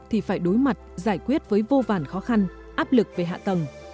thì phải đối mặt giải quyết với vô vàn khó khăn áp lực về hạ tầng